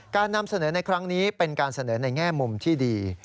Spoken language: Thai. นำเสนอในครั้งนี้เป็นการเสนอในแง่มุมที่ดี